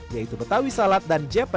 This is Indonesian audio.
yaitu betawi salad dan jokowi salad